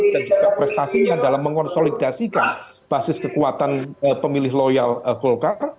juga prestasinya dalam mengonsolidasikan basis kekuatan pemilih loyal golkar